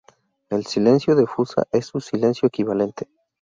El silencio de fusa es su silencio equivalente.